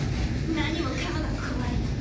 何もかもが怖い。